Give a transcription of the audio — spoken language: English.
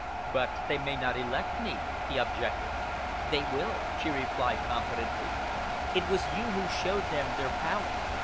"But they may not elect me," he objected. "They will," she replied confidently. "It was you who showed them their power.